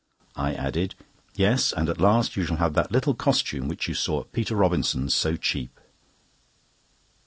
I added: "Yes, and at last you shall have that little costume which you saw at Peter Robinson's so cheap."